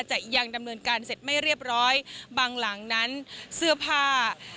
ยังดำเนินการเสร็จไม่เรียบร้อยบางหลังนั้นเสื้อผ้า